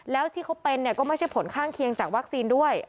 แล้วที่เขาเป็นเนี่ยก็ไม่ใช่ผลข้างเคียงจากวัคซีนด้วย